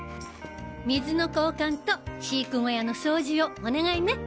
水の交換と飼育小屋の掃除をお願いね。